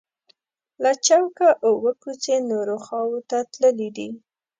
له چوکه اووه کوڅې نورو خواو ته تللي دي.